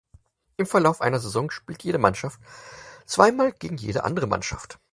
Im Verlauf einer Saison spielt jede Mannschaft zweimal gegen jede andere Mannschaft.